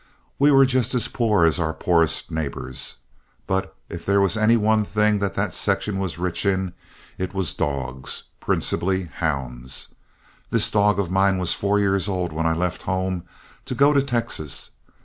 We were just as poor as our poorest neighbors. But if there was any one thing that that section was rich in it was dogs, principally hounds. This dog of mine was four years old when I left home to go to Texas.